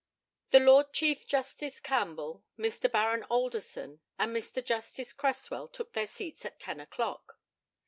The Lord Chief Justice Campbell, Mr. Baron Alderson, and Mr. Justice Cresswell took their seats at ten o'clock.